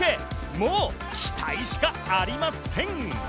もう期待しかありません。